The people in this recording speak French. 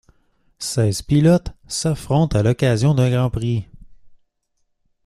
Seize pilotes s'affrontent à l'occasion d'un Grand Prix.